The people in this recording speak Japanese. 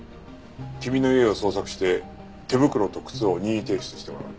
君の家を捜索して手袋と靴を任意提出してもらう。